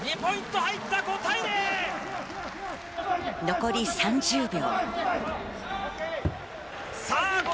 残り３０秒。